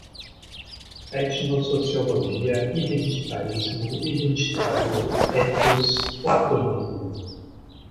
Etnosociologia, identitarismo, identitário, ethos, platonismo